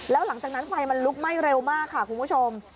แล้วหลังจากนั้นไฟมันลุกไหม้เร็วมากค่ะคุณผู้ชม